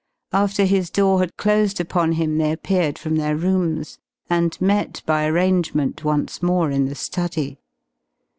After his door had closed upon him they appeared from their rooms, and met by arrangement once more in the study.